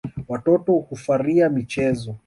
Watoto hufaria michezo.